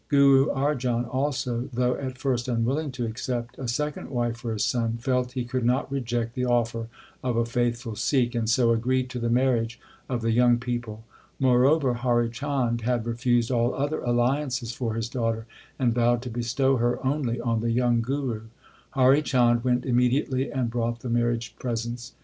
Guru Arjan, also, though at first unwilling to accept a second wife for his son, felt he could not reject the offer of a faithful Sikh, and so agreed to the marriage of the young people. Moreover Hari Chand had refused all other alliances for his daughter, and vowed to bestow her only on the young Guru. 1 Hari Chand went immediately and brought the marriage presents.